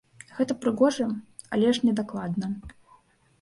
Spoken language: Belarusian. Гэта прыгожа, але ж недакладна.